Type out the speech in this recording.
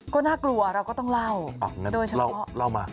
ก็น่ากลัวเราก็ต้องเล่าเราเล่ามา